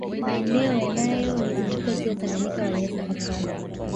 Maeneo yanayolizunguka ziwa Tanganyika waliweza kukaa